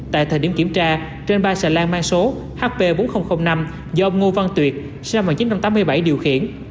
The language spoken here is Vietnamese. tại thời điểm kiểm tra trên ba xà lan mang số hp bốn nghìn năm do ông ngô văn tuyệt sinh năm một nghìn chín trăm tám mươi bảy điều khiển